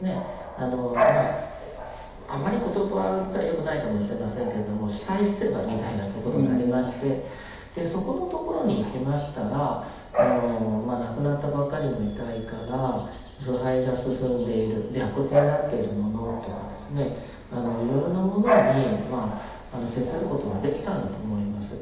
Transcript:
あまり言葉遣いはよくないかもしれませんけれども死体捨て場みたいな所がありましてそこの所に行きましたら亡くなったばっかりの遺体から腐敗が進んでいる白骨になっているものとかですねいろいろなものに接することができたんだと思います。